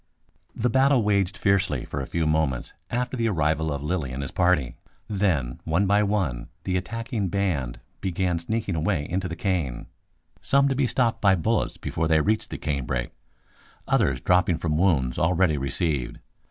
The battle waged fiercely for a few moments after the arrival of Lilly and his party; then one by one the attacking band began sneaking away into the cane, some to be stopped by bullets before they reached the canebrake, others dropping from wounds already received.